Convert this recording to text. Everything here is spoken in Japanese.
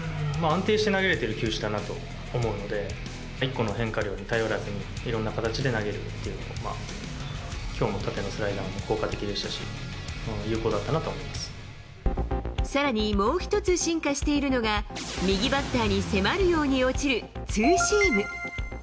安定して投げれてる球種だなと思うので、１個の変化量に頼らずに、いろんな形で投げるというか、きょうも縦のスライダーも効果的だったし、有効だったなと思いまさらにもう１つ進化しているのが、右バッターに迫るように落ちるツーシーム。